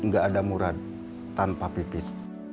gak ada murad tanpa pipis